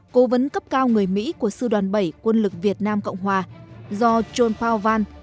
cố vấn cấp cao người mỹ của sư đoàn bảy quân lực việt nam cộng hòa do john powell van